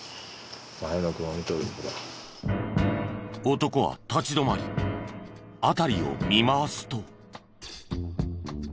男は立ち止まり辺りを見回すと。